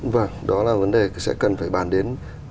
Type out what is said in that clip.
vâng đó là vấn đề sẽ cần phải bàn đến